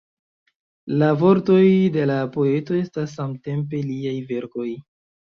La vortoj de la poeto estas samtempe liaj verkoj.